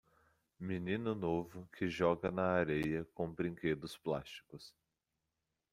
Menino novo que joga na areia com brinquedos plásticos.